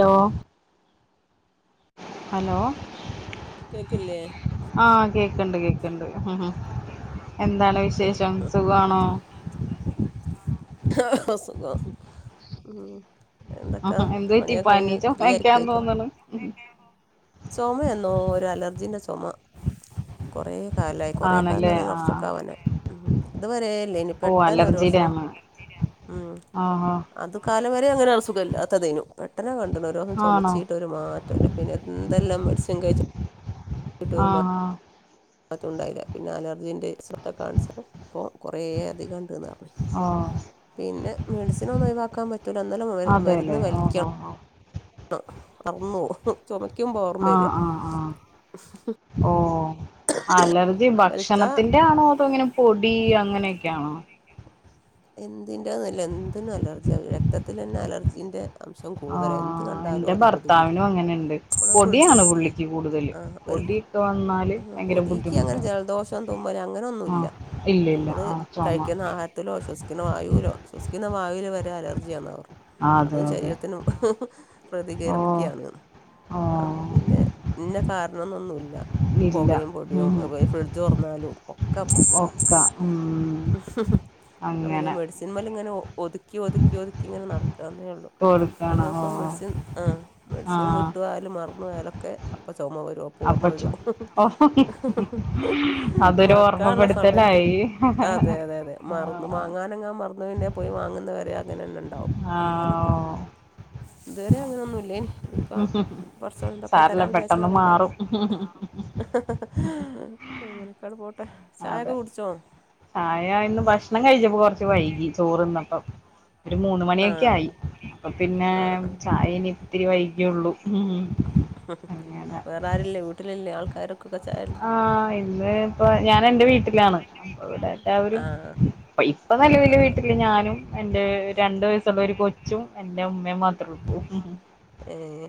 Law hello കേക്കില്ലേ ആഹ് കേക്ണ്ട് കേക്ണ്ട് ഉം ഉം എന്താണ് വിശേഷം സുഖാണോ സുഖോ എന്തൊക്കാ എന്ത് പറ്റി പണിയാ പനി കഴിഞ് ഫ്രീ ചൊമക്കാൻ ആയിരിക്കേക്കോ തോന്ന്ണ് ചുമയെന്നോ ഒരു അലർജിന്റെ ചൊ ഒമ കുറേ കാലായി കുറേ ആണല്ലേ കാലംന്നർഞ്ഞ ഒരു ആഹ് വർഷോക്കെ ആവാനായി ഉം ഇത് വരേല്ലേനി ഓഹ് അലർജിയുടെ പെട്ടെന്നൊരോസം ആണ് ഉം ആഹാ അത് കാ ലവരെ അങ്ങനെ അസുഖം ഇല്ലാത്തതേഞു പെട്ടെന്നാ കണ് ണ്ടന്നോരോന്ന് ആണോ ചുമച്ചീട്ടരു മാറ്റം ഇല്ല പിന്നെ എന്തെല്ലാം മെഡിസിൻ കഴിച് ആഹ് ആഹ് മാറ്റുണ്ടായില്ല പിന്നെ അലർജിന്റെ ഇസ് ഡോട്രെ കാൺചപ്പോ കൊ കുറേ അധികം ഉണ്ട്ന്ന്ർ ആഹ് മെഡിസിനൊന്നും ഒഴിവാക്കാൻ പറ്റൂല ന്നല മരുന്ന് അതെല്ലേ ഓഹ് വലിക്കണം ഓഹ് ഓഹ് അർന്നോഉ ചുമക്കുമ്പോ ഓർമ്മ വര ആഹ് ആഹ് ആഹ് ഓഹ് അലർജി ഭക്ഷണത്തിന്റെ ആണോ, അതോ ഇങ്ങനെ പൊടി അങ്ങനെയൊക്കെയാണോ? എന്തിന്റെയില്ല എന്തിനും അലർജിയാ, രക്തത്തിൽ തന്നെ അലർജിന്റെ. അംശം കൂടുതലാ എന്ത് ആഹ് കണ്ടാലോ എന്റെ അത് ഭർത്താവിനും പ്രതികരിക്കും അങ്ങനെണ്ട് ഫ്ര പൊടിയാണ് പുള്ളിക്ക് കൂടുതല് ആഹ് ഒരു. പൊടിയൊക്കെ വന്നാല് [unintelligible] ഭയങ്കര പൊടിക്ക് അങ്ങനെ ബുദ്ധിമുട്ടാ ജലദോഷം തുമ്മല് അങ്ങനെയെന്നുമല്ല ആഹ് ഇല്ല ഇല്ല നമ്മള്. ആഹ് ചൊമ കഴിക്കുന്ന ആഹാരത്തിലോ വിശ്വസിക്കുന്നു. വായുലോ വിശ്വസിക്കുന്ന വായുവിലെ വരെ അലർജിയാന്ന് പറഞ്ഞേ ആഹ് അതെ അതും അതെ ശരീരത്തിനും. ഓഹ് പ്രതികരിക്കുകയാണ് അപ്പോ ഓഹ് പിന്നെ പിന്നെ ഇനെ കാരണന്നൊന്നുമില്ല. ഇല്ല പുകയും പൊടിയും ഉം ഇപ്പൊ ഫ്രിഡ്ജ് തുറന്നാലും ഒക്കെ ഉം. ഒക്ക ഉം പിന്നെ അങ്ങനെ മെഡിസിൻ മേലെ ഇങ്ങനെ ഒതുക്കി ഒതുക്കി ഒതുക്കി ഇങ്ങനെ നടക്കന്നേയുള്ളൂ. ഒരു കൊടുക്കണം ദിവസം ഓഹ് മെഡിസിൻ ആഹ് മെഡിസിൻ ആഹ് വിട്ടുപോയാലും മറന്നുപോയാൽ ഒക്കെ അപ്പം ചുമ വരും. അപ്പം ഓർമ്മ അപ്പച്ചോ വരും ഓ അതൊരു മറക്കാനുള്ള സമയത്ത് ഓർമ്മപ്പെടുത്തലായി. അതെ അതെ അതെ മാറും. ഒന്ന് ആഹ് വാങ്ങാൻ അങ്ങനെ മറന്നു പോയേണ്ടേ പോയി വാങ്ങുന്നവരെ അങ്ങനെ തന്നെ ഉണ്ടാവും അങ്ങനെയൊക്കെ ആഹ്. ആഹ് ഇതുവരെ അങ്ങനെയെന്നും ഇല്ലേനി ഇപ്പൊ കുറച്ച് എന്തൊക്കെയോ സാരല്ല തരാന്ന് പെട്ടെന്ന് വിചാരിച്ചതാണ് എന്തേലും ആഹ് മാറും പെട്ടെന്ന്. അതു മാറും അങ്ങനെ ഒക്കെ പോട്ടെ, ചായയൊക്കെ അതെ കുടിച്ചോ? ചായ ഇന്ന് ഭക്ഷണം കഴിച്ചപ്പോ കൊറച്ച് വൈകി ചോറ് തിന്നപ്പോ. ഒരു മൂന്ന് ആ മണിയൊക്കെ ആയി, അപ്പൊ പിന്നെ ആ ആ ചായ ഇനി ഇത്തിരി വൈകും. അങ്ങനെ വേറെ ആരുമില്ലേ വീട്ടിലില്ലേ ആൾക്കാരൊക്കെ ചായയില്ലേ. ആഹ് ഇന്ന് ഇപ്പൊ ഞാൻ എന്റെ വീട്ടിലാണ്. അപ്പൊ ഇവിടെ എല്ലാവരും ആഹ് ഇപ്പൊ ആഹ് നിലവിൽ ആഹ് വീട്ടില് ഞാനും എന്റെ രണ്ട് വയസ്. ള്ള ഒരു കൊച്ചും എന്റെ ഉമ്മയും മാത്രമേ ഉള്ളൂ ഉം. ഏഹ്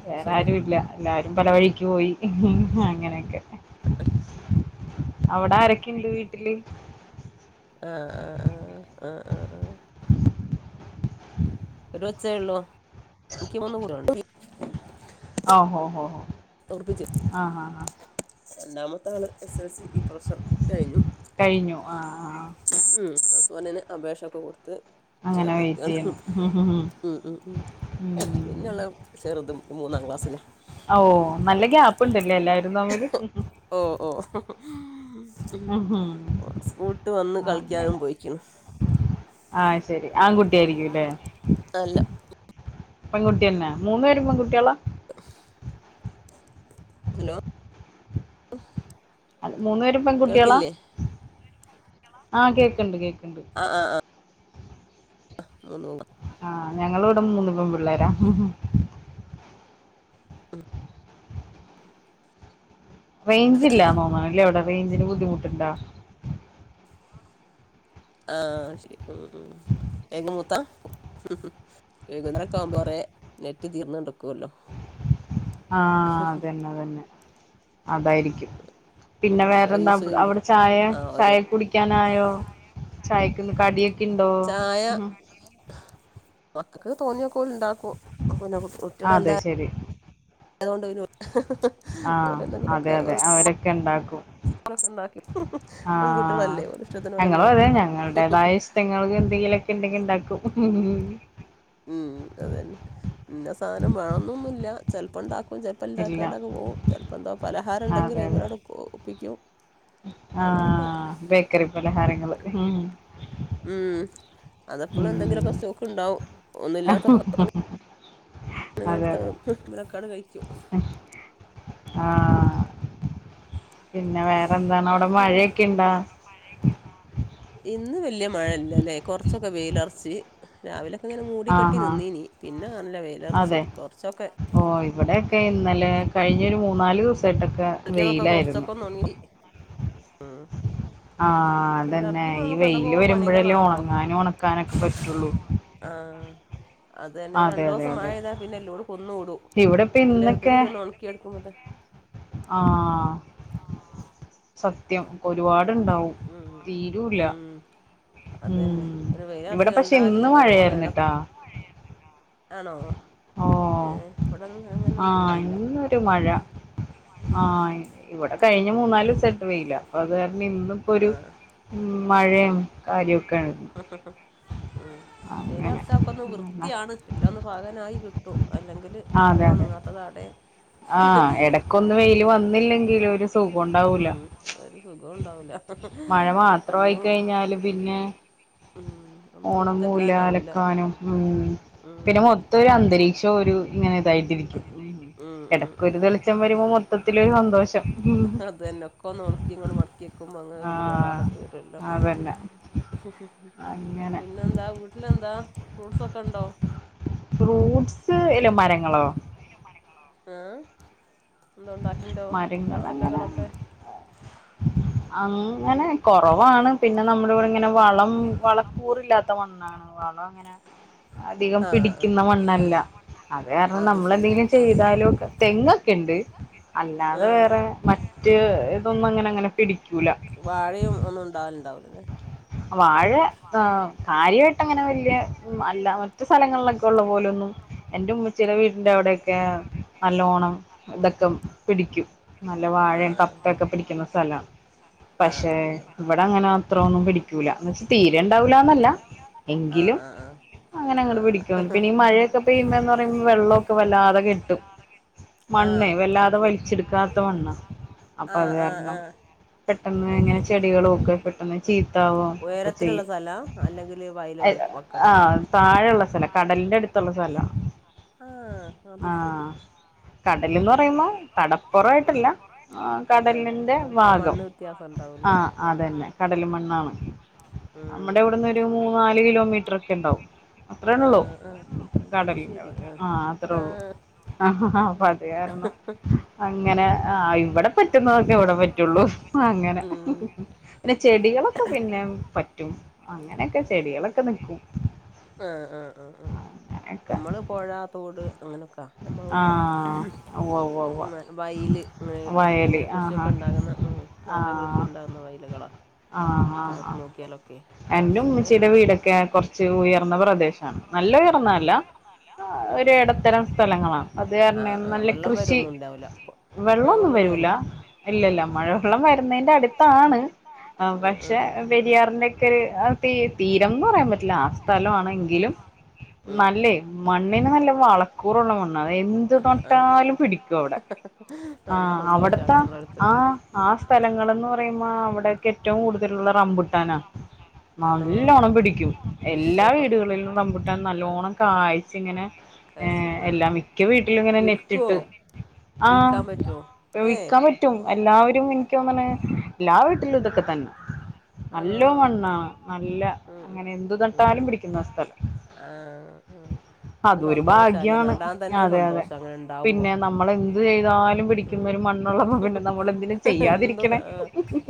അത് വേറെ ശരി ആരും ഇല്ല എല്ലാരും. പലവഴിക്ക് പോയി അങ്ങനെയൊക്കെ. ക്ക് അവിടെ ആരൊക്കെയുണ്ട് വീട്ടിൽ. ആഹ് ആഹ് ആഹ് ആഹ് അഹ് - ഒരുകൊച്ചേ ഉള്ളൂ എനിക്ക് മൂന്ന് കൂട്ടി- ഓഹോ ഹോ ഹോ ആഹ് ആഹ് ആഹ് - ന്താണ്. മൂത്താൾ എസ് എസ് എൽ സി ഈ പ്രൊവിഷം കഴിഞ്ഞു. കഴിഞ്ഞു ആഹ് ആഹ് ഹമ്. ഓനാനേ അപേക്ഷയൊക്കെ കോ അങ്ങനെ വെയിറ്റ് ചെയുന്നു. ഹ്മ് ഹ്മ്. ഉം ഉം ഉം പിന്നെുള്ള ചെറുതും മൂന്നാം ക്ലാസ്സില. ഓ നല്ല ഗ്യാപ് ഉണ്ടല്ലേ എല്ലാരും തമ്മിൽ. സ്കൂൾ വിട്ട് വന്ന് കളിക്കാനും അങ്ങനെ പോയിക്കണ്. ആഹ് ശെരി ആൺകുട്ടിയായിരിക്കും ല്ലേ. അല്ല പെൺകുട്ടിയന്നെ മോനേരും പെൺകുട്ടികളാ? ഹലോ- അല്ല മൂന്നു പേരും പെൺകുട്ടികളാ? കേൾക്കില്ലേ ആഹ് കേക്കുണ്ട് കേക്ക് ആഹ് ആഹ് ആഹ്. മൂന്ന് ആഹ് ഞങ്ങൾ ഇവിടെ മൂന്ന് പെണ്ണ് പിള്ളേരാ. റേഞ്ച് ഇല്ല തോന്നുന്നുലെ അവിടെ റേഞ്ച്ന് ബുദ്ധിമുട്ട് ഉണ്ടോ? ആഹ് ശരി ഉ ഉ ഏക മൂത്ത. [unintelligible] നെറ്റ് തീർന്നടുക്കുവല്ലോ? ആഹ് അതന്നെ ആതന്നെ അതായിരിക്കും. ഉം പിന്നെ കൊറേ വേറെന്താ യൂസ് ചെയ്യുമ്പോ അവിടെ ചായ ആഹ് ഓരോ ചായ കുടിക്കാനായോ ചായ പിന്നെ കടിയൊക്കെ ഇണ്ടോ? മക്കൾക് തോന്നിയതോക്കെ ഓല് ഇണ്ടാക്കും പിന്നെ കുട്ടികൾ അതെ എല്ലാം ശരി. അത്കൊണ്ട് ഓരു ആഹ് ഓലെ അതെ എന്തെങ്കിലുമൊക്കെ അതെ അവരൊക്കെ ഇണ്ടാക്കും. റുണ്ടാക്കി ആഹ് പെൺകുട്ടികളല്ലേ ഒരിഷ്ടത്തിന ഞങ്ങളും ഒരങ്ങാക്കൂ- [unintelligible] ലൊക്കെ ഉണ്ടെങ്കി ഉണ്ടാക്കും ഹ്മ്മ് ഹമ്. ഉം അതന്നെ ഇന്ന സാധനം വേണംന്നന്നില്ല ചെലപ്പോ ണ്ടാക്കും. ഇപ്പ ചെലപ്പം ഇല്ല ഇണ്ടാക്കാണ്ടൊക്കെ പോവും ചെലപ്പം എന്തോ അതെ പലഹാരംണ്ടങ്കിൽ അതെ അയ്മങ്ങാട്ട് ഒപ്പിക്കും. അങ്ങനൊക്കെ ആഹ് ബേക്കറി പലഹാരങ്ങൾ ഹമ്. മ് അതപ്പോഴും എന്തെങ്കിലും ഒക്കെ സ്റ്റോക്ക് ഉണ്ടാവും. അതെ അതെ അങ്ങടുത്തതും [unintelligible] കഴിക്കും. ആഹ് പിന്നെ വേറെ എന്താണ് അവിടെ പിന്നെ മഴയൊക്കെ ഇണ്ടാ? ഇന്ന് വലിയ മഴയല്ല അല്ലേ കുറച്ചൊക്കെ വെയിലറച്ച് രാവിലെ. ങ്ങനെ മൂടി കെട്ടി ആഹാ നിന്നീനി പിന്നെ നല്ല വെയിലർച് കൊറച്ചൊക്കെ. ക്കെ ഇന്നലെ കഴിഞ്ഞ ഒരു മൂന്നാലൂസായിട്ടക്കെ വെയിലായിരുന്നു. ആഹ് - ആഹ് അതന്നെ ഈ വെയില് വരുമ്പോഴല്ലേ പണികളാണല്ലോ ഒണങ്ങാനും ഒണക്കാനൊക്കെ പറ്റുള്ളൂ. ആഹ്- അതന്നെ അതെ രണ്ടു അതെ ദിവസം മഴ അതെ പെയ്ത പിന്നെ എലൂടെ കുന്ന് കൂടും ഇവിടെ ഇപ്പ എല്ല ഇന്നൊക്കെ കൂടി ഒന്ന് ഉണക്കി എടുക്കുമ്പോ ആഹ് സ ത്യം പിന്നെ ഒരുപാടുണ്ടാവും ഉം തീരുല്ല. ഉം അതന്നെ ഉം ഒരു വെയിലറച്ച് ഇവിടെ പക്ഷെ കണ്ടാല് ഇന്ന് ഓരോന്ന് മഴയായിരുന്ന് എടക്ക് ട്ടാ. ആണോ, ഏ ഇവടെന്നു അങ്ങനൊന്നും ആഹ് പെയ്തില്ല. ഇന്നൊരു മഴ മം ആഹ് ഇവിടെ കഴിഞ്ഞ മൂന്നാലുദിവസായിട്ട് വെയില അപ്പൊ അത് കാരണം ഇന്നിപ്പോ ഒരു ആഹ് മം ഉം മഴയും കാര്യൊക്കെയണ്. മം എല്ലാസൊക്കെ ഒന്ന് വൃത്തിയാണ് എല്ലാം ഒന്ന് പകാനായി. അല്ലെങ്കിൽ ആഹ് കൊറെ അതെ അതെ ഒണങ്ങാത്തത് അടെ ആഹ് എടക്കൊന്ന് വെയില് വന്നില്ലെങ്കി ഒരു സുഖം ഒണ്ടാവു മ് ഒരു സുഖം ഒണ്ടാവൂല മഴ ഒന്നും മ് ഒണങ്ങുല അലക്കാനും ഉം മ് പിന്നെ മൊത്തം ഒരു അന്തരീക്ഷം ഒരു ആഹ് മ് എടക്ക് ഒരു തെളിച്ചം വരുമ്പോ മൊത്തത്തിലൊരു സന്തോഷം മ് ക്കൊന്ന് ഒണക്കി [unintelligible] മടക്കി വെക്കുമ്പോ അങ്ങനെ നമുക്ക് ആഹ് റാഹത്ത് വരെല്ല. അതന്നെ അങ്ങനെ പിന്നെന്താ വീട്ടിലെന്താ ഫ്രൂട്ട്സൊക്കെ ഇണ്ടോ? ഫ്രൂട്ട്സ് ഇല്ല മരങ്ങൾ ആഹ് എന്താ ഒണ്ടാക്കിണ്ടോ മരങ്ങളങ്ങനെ പച്ചക്കറികളൊക്കെ. അങ്ങനെ കൊറവാണ് പിന്നെ നമ്മൾ ഇവിടെ ഇങ്ങനെ വളം വളക്കൂറില്ലാത്ത മണ്ണാണ്, വളം ഇങ്ങനെ അധികം ആഹ് ആഹ് പിടിക്കുന്ന മണ്ണല്ല. അത് കാരണം നമ്മൾ ശരി ആഹ് എന്തെങ്കിലും ചെയ്താലും തെങ്ങൊക്കെ ഇണ്ട്. അല്ലാതെ ആഹ് വേറെ മറ്റ് ഇതൊന്നും അങ്ങനെ അങ്ങനെ പിടിക്കൂല. ണ്ടാവുല്ലല്ലേ. വാഴ കാ കാര്യാ ട്ടങ്ങനെ വലിയ മ് അല്ല മറ്റ് സ്ഥലങ്ങളിലൊക്കെ ഒള്ള പോലൊന്നും എന്റെ ഉമ്മച്ചീടെ വീടിന്റെ അവിടെയൊക്കെ നല്ലോണം ഇതൊക്കെ പിടിക്കും. നല്ല വാഴെ ആഹ് കപ്പെക്കെ പിടിക്ക്ന്ന സ്ഥല. പക്ഷേ ആഹ് ആഹ് ഇവിടെ അങ്ങനെ അത്രോന്നും പിടി ക്കൂല എന്ന് വെച്ച തീരെ ഇണ്ടാവൂലന്നല്ല ആഹ് എങ്കിലും ആഹ് ആഹ് അങ്ങനെ അങ്ങട് ആഹ് പിടിക്കും ആഹ് പിന്നെ ഈ മഴയൊക്കെ പെയ്യുമ്പ എന്ന് പറയുമ്പോ വെള്ളോക്കെ വല്ലാതെ കെട്ടും. ആഹ് മണ്ണേ ആഹ് അത് വല്ലാതെ ശരി വലിച്ചെടുക്കാത്ത മണ്ണാ. അപ്പ അത് ആഹ് ആഹ് കാരണം ആഹ് പെട്ടെന്ന് അത് ഇങ്ങനെ ശരി ചെടികളൊക്കെ പെട്ടെന്ന് ചീ ത്ത ആവും ഒക്കെ ഉയരത്തിലുള്ള ചെയ്യും, സ്ഥലാ അല്ലെങ്കിൽ വയല് വക്കങ്ങനെ ആഹ് താഴെള്ള സ്ഥലം കടലിന്റെ അട് ത്തുള്ള സ്ഥലാ. ആഹ് അത് ശെരി. കടലിന്ന് പറയുമ്പോ കടപ്പുറായിട്ടില്ല. ആ അതെ അതെ കടലിന്റെ ആ ആ ഭാഗം മണ്ണ് വ്യത്യാസം ഉണ്ടാവൂല്ലേ ആഹ് അതന്നെ ആഹ് കടല് മണ്ണാണ്. നമ്മുടെ ഉം ഇവിടുന്ന് ഒരു മൂന്നാല് കിലോമീറ്റർ ഒക്കെ ഇണ്ടാവും. അത്രേ ഉള്ളൂ ആഹ് ആഹ് അത് കടലിന്റെ ശരി അവിടെ ആഹ് അത്രേ ഉള്ളൂ. ആഹ് ആഹ് ഹ ഹാ അപ്പ അത് കാരണം അങ്ങനെ ഉം ആ ഇവിടെ പറ്റുന്നതൊക്കെ ഇവിടെ പറ്റുള്ളൂ. അങ്ങനെ ഉം പിന്നെ അത് ശരി ചെടികളൊ [unintelligible] പറ്റും അങ്ങനെയൊക്കെ ചെടികളൊക്കെ നിക്കും. ആഹ് ആഹ് ആഹ് ആഹ് അങ്ങനെയൊക്കെ നമ്മള് പൊഴ, തോട് അങ്ങനെയൊക്ക നമ്മള് കൊണ്ടടുത്ത് ആഹ് [unintelligible] ഉവ്വ ഉവ്വ ഉവ്വ വയി ല് ഇങ്ങനെ വയല് അങ്ങനെ ആഹ് കൃഷിയൊക്കെ ആഹ് ഇണ്ടാകുന്ന മ് നല്ല കൃഷി ആഹ് ഇണ്ടാകുന്ന വയലുകളാ. ആഹ് ആഹ് താഴോട്ട് ആഹ് നോക്കിയാലൊക്കെ എന്റെ കൊറച്ചൊക്കെ ഉമ്മച്ചീടെ ഉം വീടൊക്കെ കൊറച്ച് ഉയ [unintelligible] പ്രദേശാണ്, നല്ല [unintelligible] അല്ല, ആഹ് ഉം ഒര് എടത്തരം സ്ഥലങ്ങളാണ് അത് കാരണം ആഹ് [unintelligible] ആഹ് വെള്ളം വരൊന്നും ഉണ്ടാവില്ല ഇപ്പോ. വെള്ളൊന്നും വരൂല, ഇല്ല ഇല്ല മഴവെള്ളം വരുന്നെന്റെ അടുത്താണ്. ആഹ് പക്ഷേ പെരിയാറിന്റെ ഒക്കെ ഒര് ആ തീ തീരംന്ന് പറയാൻ പറ്റില്ല, ആ സ്ഥ ലം ആണെങ്കിലും ഉം ഉം നല്ലേ മണ്ണിന് നല്ല വളക്കൂറുള്ള മണ്ണാണ്, എന്ത് ആഹ് ആഹ് നട്ടാലും പിടിക്കും അവിടെ. നല്ല ആഹ് സന്തോഷാ അവിടത്തെ അങ്ങനെള്ളോട്ത്ത് ആ ആ ഉം സ്ഥലങ്ങളെന്ന് പറയുമ്പോ ഉം അവിടെക് ഏറ്റവും കൂടുതലുള്ള റംമ്പുട്ടാനാ ആണോ നല്ലോണം പിടിക്കും, എല്ലാ വീടുകളിലും ശോ റംബുട്ടാൻ ആഹ് നല്ലോണ്ണം കായ്ച്ച് ഇങ്ങനെ ഏഹ് കാഴ്ചക്കോ എല്ലാ മിക്ക ഉം വീട്ടിലും ഇങ്ങനെ വിൽക്കോ നെറ്റിട്ട് ആഹ് വിൽക്കാൻ പറ്റോ ഏഹ് ഉഴിക്കാൻ പറ്റും എല്ലാവരും എനിക്കൊന്നനെ എല്ലാ വീട്ടിലും ഇതൊ ഏഹ് ക്കെ തന്നെ. ആണോ നല്ലോ മണ്ണാണ്, നല്ല ഉം ഉം അങ്ങനെ എന്തു നട്ടാലും ഉം പിടിക്കുന്ന സ്ഥലം. ആഹ് അതൊരു സന്തോഷല്ലേ ഭാഗ്യാണ് നടാൻ തന്നെ അതെ അതെ സന്തോഷം അങ്ങനുണ്ടാവുമ്പോ, പിന്നെ നമ്മൾ എന്ത് ചെയ്താലും പിടിക്കുന്ന മ് ഒരു മണ്ണുള്ളപ്പോ പിന്നെ നമ്മൾ എന്തിനും എന്തോന്ന ചെയ്യാതിരിക്കണേ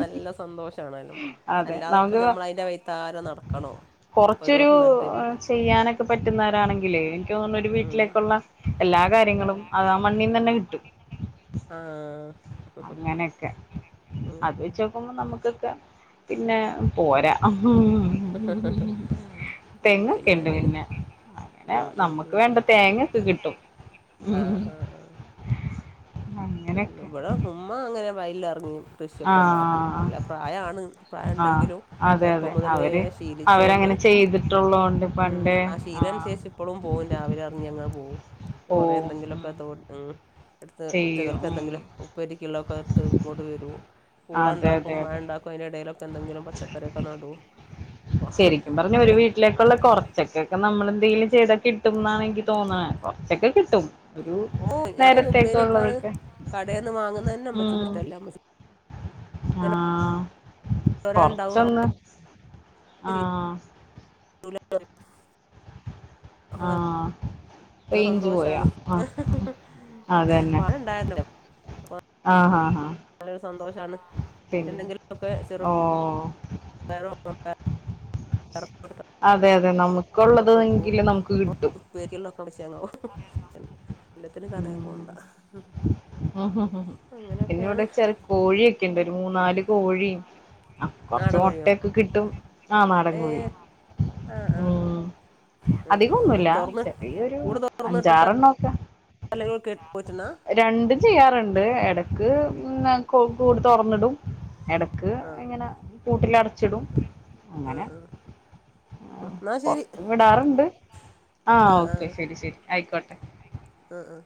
നല്ല സന്തോഷാണേലും അതെ അല്ലാതിപ്പം നമ്മൾ അതിന്റെ വൈത്താര നടക്കണോ? കൊറച്ചൊരു ഒരോസം നട്ട് ആ പിറ്റേ ചെയ്യാനൊക്കെ പറ്റുന്നോരാണെങ്കിലേ എനിക്കു തോന്നുന്നു ഒരു ഉം വീട്ടിലേക്കുള്ള എല്ലാ കാര്യങ്ങളും ആഹ് അത് ആ മണ്ണീന്നന്നെ കിട്ടും. ആഹ് അങ്ങനെയൊക്കെ ഉം അത് ഉം വെച്ചോക്കുമ്പോ നമ്മക് ഇതൊക്കെ പിന്നെ പോരാ ഉം തെങ്ങൊക്കെയിണ്ട് അയിന് പിന്നെ അങ്ങനെ ഉം ഉം നമ്മുക്ക് ഉം ഉം വേണ്ട തേങ്ങക്കെ കിട്ടും, മ് ഇവടെ ഉമ്മ അങ്ങനെ വയലിലെറങ്ങി കൃഷിയൊക്കെ ഒണ്ടാക്കും, ആഹ് നല്ല പ്രായാണ് ആഹ് പ്രായെണ്ടെങ്കിലും അതെ അതെ ചെറുപ്പം മുതലേ അവര് ശീലിച്ചോണ്ട് അവരങ്ങനെ ചെയ്തിട്ടുള്ളോണ്ട് മ് പണ്ടേ ആ ആഹ് ശീലനുസരിച്ച് ഇപ്പളും പോകും രാവിലെ എറങ്ങി അങ്ങ പോകും. കൊറെേ പോവും ഉം എന്തെങ്കിലൊക്കെ തോട് മ് എടുത്ത് ചെയ്യും ഉം ചെലർക്കെന്തെങ്കിലും ഉപ്പേരിക്കുള്ളാക്കത്ത് ഇങ്ങോട്ട് വരും, പൂള അതെ ഇണ്ടാക്കും അതെ അതെ [unintelligible] അയിനെടയിലെക് [unintelligible] എന്തെങ്കിലും പച്ചക്കറിയൊക്കെ നടു. ശരിക്കും പറഞ്ഞാ ഒരു വീട്ടിലേക്കുള്ള കുറച്ചൊക്കൊക്കെ നമ്മളെന്തെങ്കിലും ചെയ്താ കിട്ടുംന്നാണെനിക്ക് തോന്നണെ കൊറച്ചൊക്കെ കിട്ടും. ഒരു ഓ ഞാക്കൊന്ന് ഉപ്പേരി വെക്കാൻ നേരത്തേക്കൊള്ളതൊക്കെ കടേന്ന് വാങ്ങുന്നതന്നെ മ് അമ്മച്ചിക്ക് ഇഷ്ടല്ല അമ്മച്ചി ആഹ് ഉണ്ടാവും കൊറച്ചൊന്ന്. ആഹ് അപ്പൊ ആഹ് നല്ല റേഞ്ച് പോയാ സന്തോഷാണ്, ആഹ് അതന്നെ വാഴ [unintelligible] വാ ആഹ് ആഹ് ആഹ് വളരെ സന്തോഷാണ് പിന്നെ എന്തെങ്കിലൊക്കെ ചെറു ഓ [unintelligible] [unintelligible] [unintelligible] [unintelligible] തെ നമുക്കുള്ളത് എങ്കിലും നമുക്ക് കിട്ടും [unintelligible] എല്ലത്തിനും കടേ പോണ്ട ഹ ഹ പിന്നെ അങ്ങനെയൊക്കെയാണ് ഇവടെ ചെറു കോഴിയൊക്കെ ഇണ്ട് ഒരു മൂന്നാല് കോഴിം ആഹ് കൊറ്ച്ചു നാടൻ കോഴിയോ മുട്ടെക്കെ കിട്ടും. ആ നാടൻ ഏ കോഴി ആ ആ ആ ഉം ആ ആ അത് അധികൊന്നുല്ല. തുറന്ന് ചെറിയൊരു അഞ്ചാറണ്ണൊക്കെ തല്ലൾ കേട്ട് [unintelligible] രണ്ടും ചെയ്യാറ്ണ്ട്. എടക്ക് ന കൂടു തൊറന്നിടും എടക്ക് ആ അങ്ങന കൂട്ടിലടച്ചിടും ആ അങ്ങനെ ആ ആഹ് എന്നാ ശരി പൊറ്ത്ത് വിടാറ്ണ്ട്. ആഹ് ഓക്കെ ശരി ശരി ആയിക്കോട്ടെ ഉം ഉം